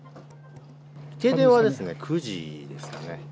停電は９時ですかね。